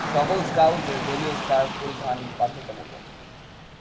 সকল স্কাউট এর দলীয় স্কার্ফ পরিধান বাধ্যতামূলক।